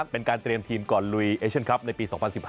เป็นการเตรียมทีมก่อนลุยเอเชียนคลับในปี๒๐๑๕